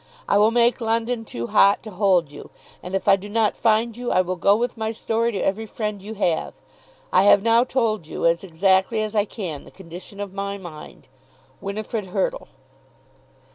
I will make London too hot to hold you; and if I do not find you I will go with my story to every friend you have. I have now told you as exactly as I can the condition of my mind. WINIFRID HURTLE.